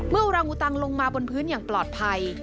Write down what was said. อุรังอุตังลงมาบนพื้นอย่างปลอดภัย